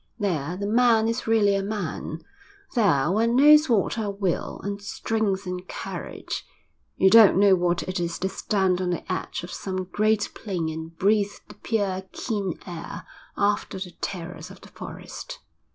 There the man is really a man. There one knows what are will and strength and courage. You don't know what it is to stand on the edge of some great plain and breathe the pure keen air after the terrors of the forest.'